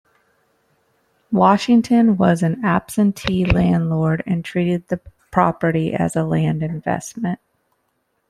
Washington was an absentee landlord and treated the property as a land investment.